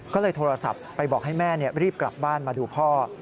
ก็เลยโทรศัพท์ไปบอกให้แม่รีบกลับบ้านมาดูพ่อ